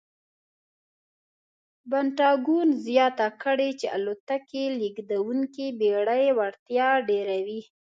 پنټاګون زیاته کړې چې الوتکې لېږدونکې بېړۍ وړتیا ډېروي.